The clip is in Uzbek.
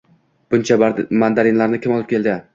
Buncha mandarinlarni kim olib keldi